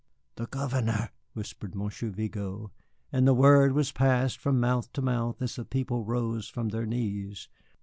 "The Governor!" whispered Monsieur Vigo, and the word was passed from mouth to mouth as the people rose from their knees.